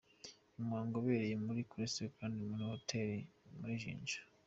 Uyu muhango wabereye muri Crested Crane Hotel muri Jinja.